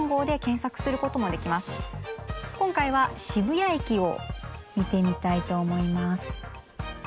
今回は渋谷駅を見てみたいと思います。